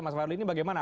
mas farli ini bagaimana